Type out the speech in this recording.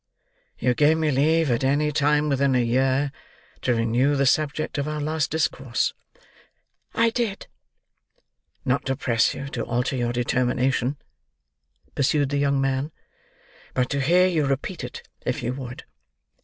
You gave me leave, at any time within a year, to renew the subject of our last discourse." "I did." "Not to press you to alter your determination," pursued the young man, "but to hear you repeat it, if you would.